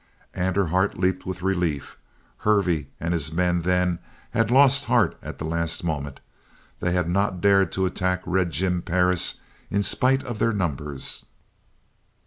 And her heart leaped with relief. Hervey and his men, then, had lost heart at the last moment. They had not dared to attack Red Jim Perris in spite of their numbers!